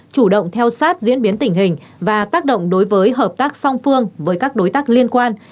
chủ động theo sát diễn biến tình hình và tác động đối với hợp tác song phương với các đối tác liên quan